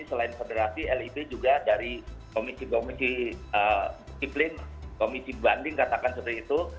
selain federasi lib juga dari komisi komisi banding katakan seperti itu